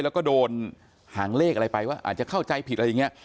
แล้วก็โดนหางเลขอะไรไปว่าอาจจะเข้าใจผิดอะไรอย่างนี้